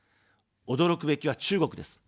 驚くべきは中国です。